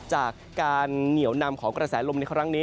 จากการเหนียวนำของกระแสลมในครั้งนี้